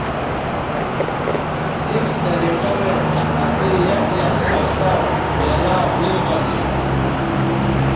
اِس طریقہ رے اسئ یک یک خِختہ میلاو ھویں بہ زینݜ